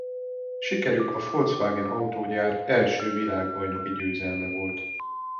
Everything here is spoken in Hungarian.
Sikerük a Volkswagen autógyár első világbajnoki győzelme volt.